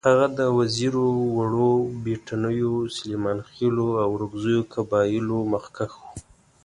هغه د وزیرو، وړو بېټنیو، سلیمانخېلو او اورکزو قبایلو مخکښ وو.